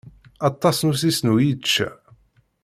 Aṭas n usisnu i yečča.